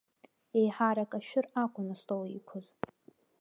Еиҳарак ашәыр акәын астол иқәыз.